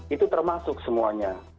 itu termasuk semuanya